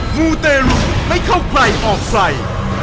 หมู่เตรุไม่เข้าใกล้ออกไฟ